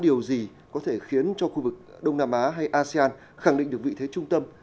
điều gì có thể khiến cho khu vực đông nam á hay asean khẳng định được vị thế trung tâm